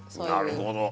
なるほど。